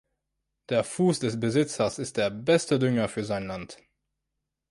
Der Fuß des Besitzers ist der beste Dünger für sein Land